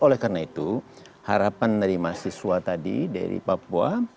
oleh karena itu harapan dari mahasiswa tadi dari papua